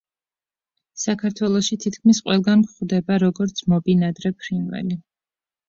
საქართველოში თითქმის ყველგან გვხვდება როგორც მობინადრე ფრინველი.